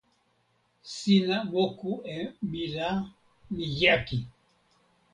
sina moku e mi la, mi jaki!